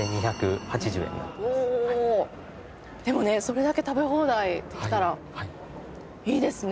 でもねそれだけ食べ放題できたらいいですね。